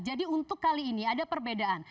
jadi untuk kali ini ada perbedaan